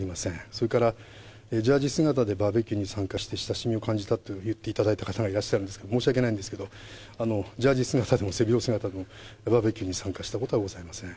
それからジャージ姿でバーベキューに参加して親しみを感じたと言っていただいた方がいらっしゃるんですけど、申し訳ないんですけど、ジャージ姿でも背広姿でもバーベキューに参加したことはございません。